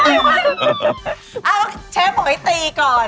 เอาเชฟหุยตีก่อน